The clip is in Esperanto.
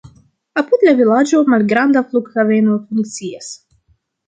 Apud la vilaĝo malgranda flughaveno funkcias.